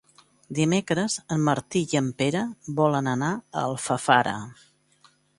Dimecres en Martí i en Pere volen anar a Alfafara.